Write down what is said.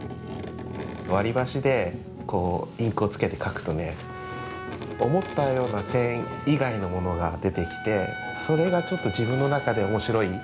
割り箸でインクをつけて描くとね思ったような線以外のものが出てきてそれがちょっと自分の中で面白い。